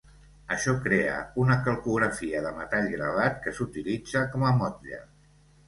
Això crea una calcografia de metall gravat, que s'utilitza com a motlle.